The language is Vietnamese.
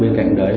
bên cạnh đấy